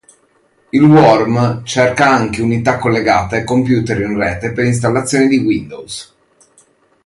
Il worm cerca anche unità collegate e computer in rete per installazioni di Windows.